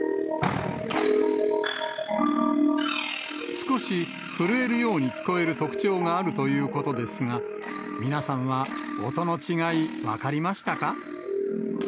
少し震えるように聴こえる特徴があるということですが、皆さんは音の違い、分かりましたか？